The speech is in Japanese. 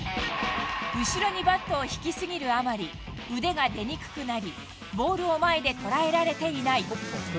後ろにバットを引き過ぎるあまり、腕が出にくくなり、ボールを前で捉えられていない。